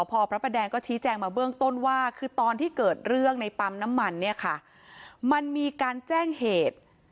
พอพระประแดงก็ชี้แจงมาเบื้องต้นว่าคือตอนที่เกิดเรื่องในปั๊มน้ำมันเนี่ยค่ะมันมีการแจ้งเหตุ